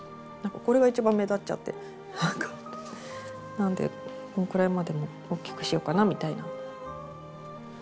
なんでこんぐらいまでおっきくしようかなみたいな感じで。